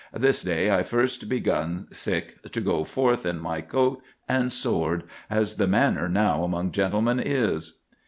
This day I first begun to go forth in my coat and sword, as the manner now among gentlemen is."